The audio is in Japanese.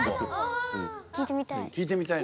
聴いてみたい。